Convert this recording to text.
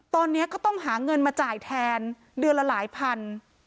ตอนนี้ก็ต้องหาเงินมาจ่ายแทนเดือนละหลายพัน